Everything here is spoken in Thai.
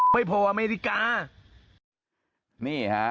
นี่คะครับ